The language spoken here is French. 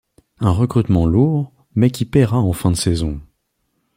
Un recrutement lourd mais qui paiera en fin de saison.